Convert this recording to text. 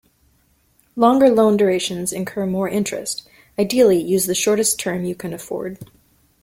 Longer loan durations incur more interest, ideally use the shortest term you can afford.